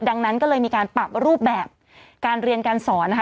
ดังนั้นก็เลยมีการปรับรูปแบบการเรียนการสอนนะคะ